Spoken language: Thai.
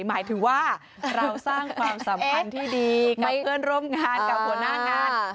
หมายถึงว่าเราสร้างความสัมพันธ์ที่ดีกับเพื่อนร่วมงานกับหัวหน้างาน